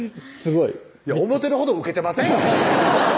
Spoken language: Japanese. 思てるほどウケてませんよ